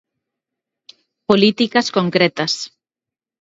Políticas concretas.